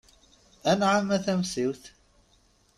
Anɛam a Tamsiwt.